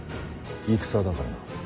戦だからな。